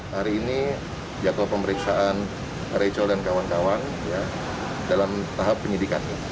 hari ini jadwal pemeriksaan rachel dan kawan kawan dalam tahap penyidikan